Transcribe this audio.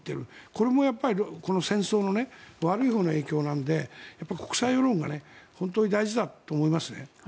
これもこの戦争の悪いほうの影響なので国際世論が本当に大事だと思いますね。